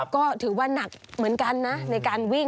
ก็ถือว่านักเหมือนกันนะในการวิ่ง